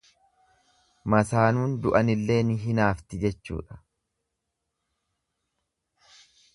Masaanuun du'anillee ni hinaafti jechuudha.